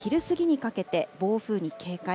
中国、四国は昼過ぎにかけて暴風に警戒。